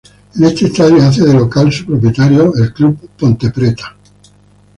En este estadio hace de local su propietario el club Ponte Preta.